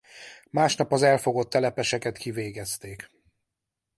Másnap az elfogott telepeseket kivégezték.